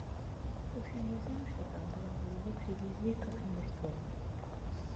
Уж я не знаю, что там было, но его привезли как мертвого.